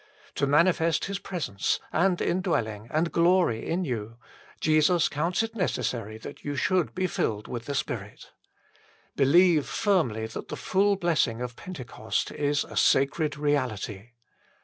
To manifest His presence, and indwelling, and glory in you, Jesus counts it necessary that you should be filled with the Spirit. Believe firmly that the full blessing of Pentecost is a sacred reality.